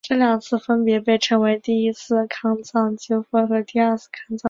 这两次分别被称为第一次康藏纠纷和第二次康藏纠纷。